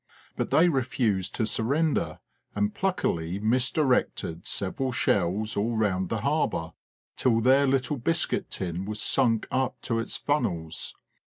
But they refused to surrender and pluckily mis directed several shells all round the harbour, till their little biscuit tin was sunk up to its funnels.